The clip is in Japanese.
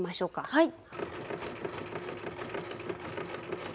はい。